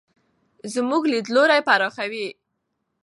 زموږ لیدلوری پراخوي.